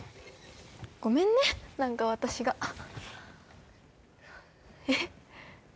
ごめんね何か私がえっ？